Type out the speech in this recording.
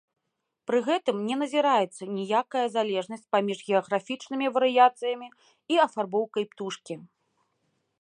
Пры гэтым не назіраецца ніякая залежнасць паміж геаграфічнымі варыяцыямі і афарбоўкай птушкі.